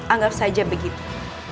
anggap saja begitu